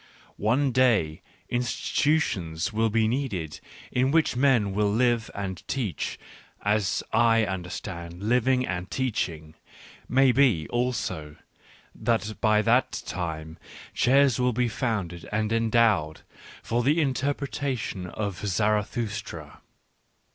One ^ day institutions will be needed in which men will live and teach, as I understand living and teaching ; maybe, also, that by that time, chairs will be founded and endowed for the interpretation of Zarathustra.